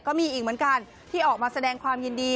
ก็มีอีกเหมือนกันที่ออกมาแสดงความยินดี